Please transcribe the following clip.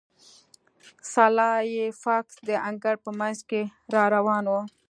سلای فاکس د انګړ په مینځ کې را روان و